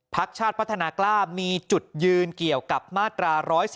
พักชาติพัฒนากล้ามีจุดยืนเกี่ยวกับมาตรา๑๑๒